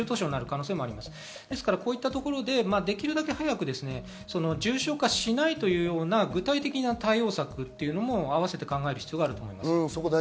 ですから、できるだけ早く重症化しないというような具体的な対応策も併せて考える必要があると思います。